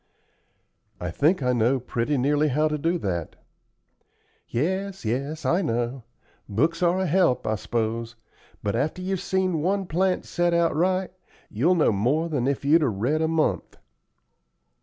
"I think I know pretty nearly how to do that." "Yes, yes, I know. Books are a help, I s'pose, but after you've seen one plant set out right, you'll know more than if you'd 'a' read a month."